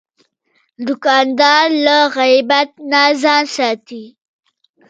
دوکاندار له غیبت نه ځان ساتي.